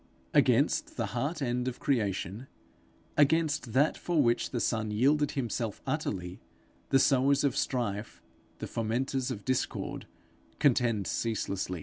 Against the heart end of creation, against that for which the Son yielded himself utterly, the sowers of strife, the fomenters of discord, contend ceaseless.